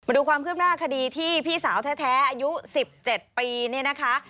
ดูความคืบหน้าคดีที่พี่สาวแท้อายุ๑๗ปีเนี่ยนะคะ